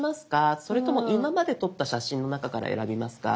それとも「今まで撮った写真の中から選びますか？」